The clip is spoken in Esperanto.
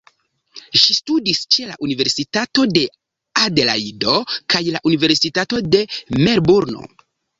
Ŝi studis ĉe la universitato de Adelajdo kaj la universitato de Melburno.